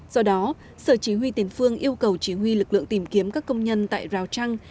do đó sở chỉ huy tiền phương yêu cầu chỉ huy lực lượng tìm kiếm các công nhân tại rào trăng